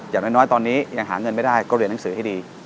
อย่างน้อยตอนนี้ยังหาเงินไม่ได้ก็เรียนหนังสือให้ดี